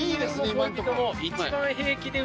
今のとこ］